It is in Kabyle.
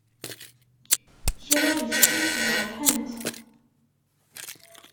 Kra deg-sent jerḥent.